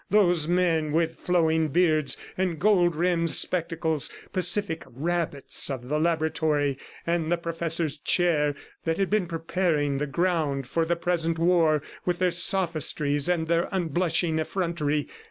Those men with flowing beards and gold rimmed spectacles, pacific rabbits of the laboratory and the professor's chair that had been preparing the ground for the present war with their sophistries and their unblushing effrontery!